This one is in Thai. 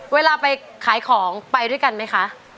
เวลาไปขายของไปด้วยกันไหมคะ